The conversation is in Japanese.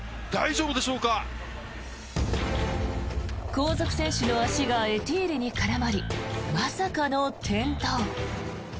後続選手の足がエティーリに絡まりまさかの転倒。